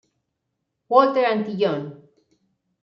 Walter Antillón.